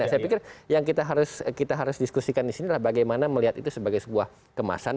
saya pikir yang kita harus diskusikan di sini adalah bagaimana melihat itu sebagai sebuah kemasan